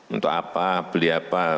untuk apa beli apa